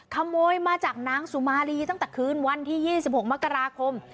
ขโมยมาจากนางสุมารีตั้งแต่คืนวันที่๒๖มกราคม